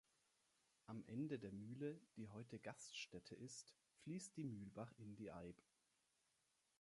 Am Ende der Mühle, die heute Gaststätte ist, fließt der Mühlbach in die Eyb.